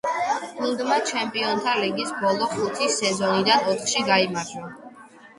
გუნდმა ჩემპიონთა ლიგის ბოლო ხუთი სეზონიდან ოთხში გაიმარჯვა.